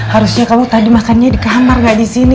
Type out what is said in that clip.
harusnya kamu tadi makan nya di kamar gak disini